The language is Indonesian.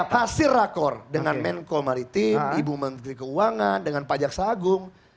dan itu hasil rakor dengan menko maritim ibu menteri keuangan dengan pajak sagung